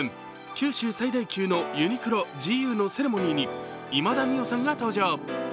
九州最大級のユニクロ、ＧＵのセレモニーに今田美桜さんが登場。